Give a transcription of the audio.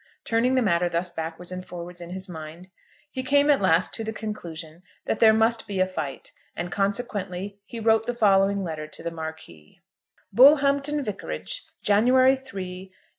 Turning the matter thus backwards and forwards in his mind, he came at last to the conclusion that there must be a fight, and consequently he wrote the following letter to the Marquis; Bullhampton Vicarage, January 3, 186